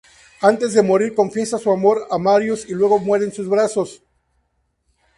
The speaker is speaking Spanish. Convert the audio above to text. Antes de morir, confiesa su amor a Marius y luego muere en sus brazos.